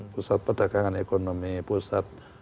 pusat perdagangan ekonomi pusat